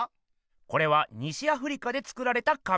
これは西アフリカで作られた仮面っす。